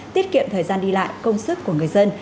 tiết kiệm thời gian đi lại công sức của người dân